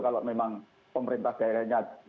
kalau memang pemerintah daerahnya